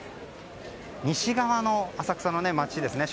西側の浅草の街ですね。